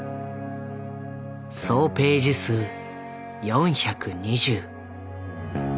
総ページ数４２０。